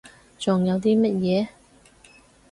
仲有啲乜嘢？